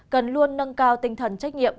cần luôn nâng cao tinh thần trách nhiệm